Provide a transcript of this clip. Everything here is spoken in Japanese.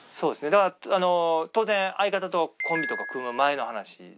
だから当然相方とコンビとか組む前の話ですね。